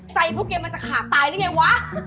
พวกแกมันจะขาดตายหรือไงวะ